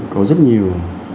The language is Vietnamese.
có rất nhiều